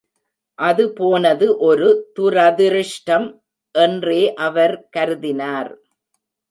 அது போனது ஒரு துரதிருஷ்டம் என்றே அவர் கருதினார்.